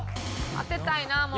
当てたいなもう。